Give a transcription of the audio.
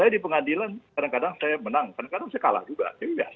di adilan kadang kadang saya menang kadang kadang saya kalah juga